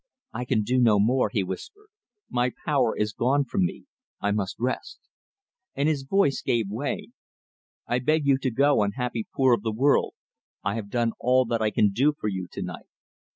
"I can do no more," he whispered. "My power is gone from me; I must rest." And his voice gave way. "I beg you to go, unhappy poor of the world! I have done all that I can do for you tonight."